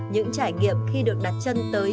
những trải nghiệm khi được đặt chân tới